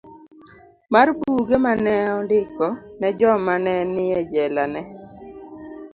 d. mar Buge ma ne ondiko ne joma ne ni e jela ne